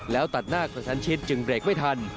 แล้วตัดหน้ากระชันชิดจึงเบรกไม่ทัน